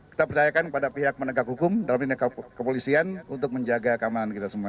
kita percayakan kepada pihak menegak hukum dalam ini kepolisian untuk menjaga keamanan kita semua